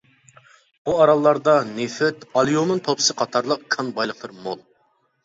بۇ ئاراللاردا نېفىت، ئاليۇمىن توپىسى قاتارلىق كان بايلىقلىرى مول.